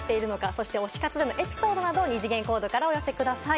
そして推し活でのエピソードなどを二次元コードからお寄せください。